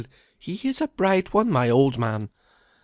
he is a bright one, my old man!